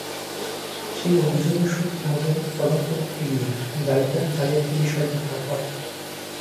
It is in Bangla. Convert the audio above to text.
সেই অভিযোগের সূত্র ধরে তদন্ত করতে গিয়ে জালিয়াতির বিষয়টি ধরা পড়ে।